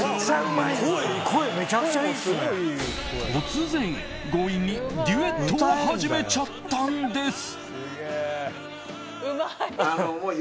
突然、強引にデュエットを始めちゃったんです。